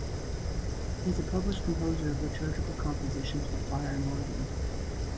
He is a published composer of liturgical compositions for choir and organ.